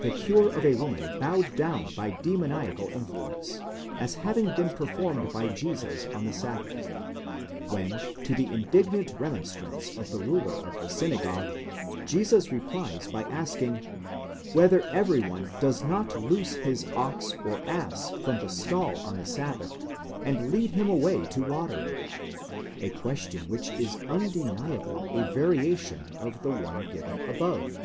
the cure of a woman bowed down by demoniacal influence, as having been performed by Jesus on the sabbath; when to the indignant remonstrance of the ruler of the synagogue, Jesus replies by asking, whether every one does not loose his ox or ass from the stall on the sabbath, and lead him away to watering? a question which is undeniably a variation of the one given above.